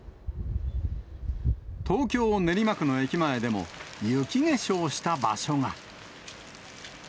東京・練馬区の駅前でも雪化粧した場所が。